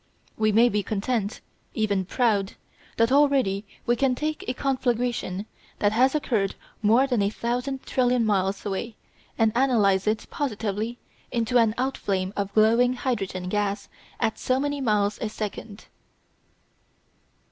We may be content, even proud, that already we can take a conflagration that has occurred more than a thousand trillion miles away and analyse it positively into an outflame of glowing hydrogen gas at so many miles a second.